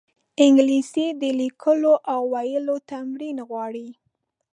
انګلیسي د لیکلو او ویلو تمرین غواړي